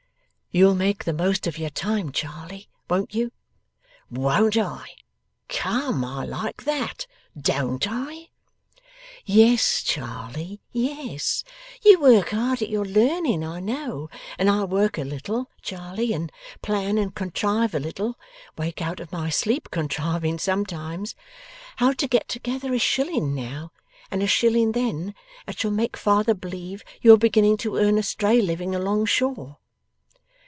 'You'll make the most of your time, Charley; won't you?' 'Won't I? Come! I like that. Don't I?' 'Yes, Charley, yes. You work hard at your learning, I know. And I work a little, Charley, and plan and contrive a little (wake out of my sleep contriving sometimes), how to get together a shilling now, and a shilling then, that shall make father believe you are beginning to earn a stray living along shore.